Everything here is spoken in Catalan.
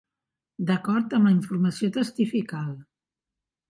D'acord amb la informació testifical.